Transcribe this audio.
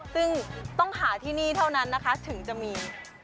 ซึ่งต้องหาที่นี่เท่านั้นนะคะถึงจะมี